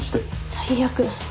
最悪。